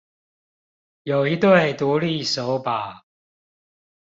有一對獨立手把